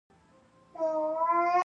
د ننګرهار مالټې ډیرې خوږې دي.